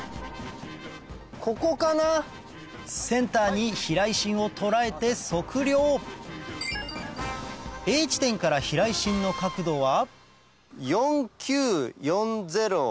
センターに避雷針を捉えて測量Ａ地点から避雷針の角度は？